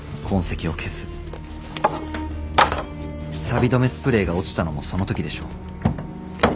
サビ止めスプレーが落ちたのもその時でしょう。